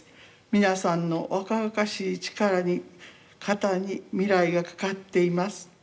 皆さんの若々しい力に肩に未来がかかっています。